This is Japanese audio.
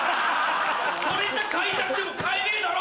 これじゃ買いたくても買えねえだろ！